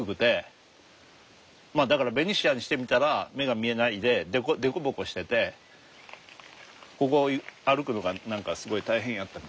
まあだからベニシアにしてみたら目が見えないで凸凹しててここ歩くのが何かすごい大変やったみたい。